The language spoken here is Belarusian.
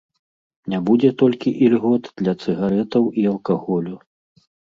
Не будзе толькі ільгот для цыгарэтаў і алкаголю.